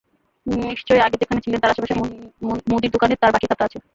নিশ্চয় আগে যেখানে ছিলেন তার আশেপাশের মুন্দির দোকানে তাঁর বাকির খাতা আছে।